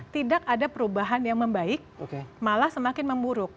tidak ada perubahan yang membaik malah semakin memburuk